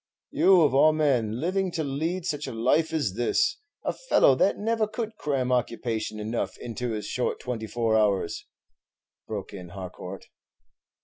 "You of all men living to lead such a life as this! a fellow that never could cram occupation enough into his short twenty four hours," broke in Harcourt.